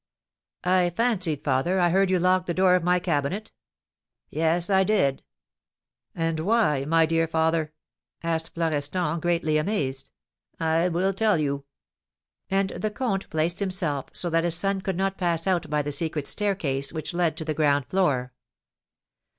"I fancied, father, I heard you lock the door of my cabinet?" "Yes, I did." "And why, my dear father?" asked Florestan, greatly amazed. "I will tell you." And the comte placed himself so that his son could not pass out by the secret staircase which led to the ground floor.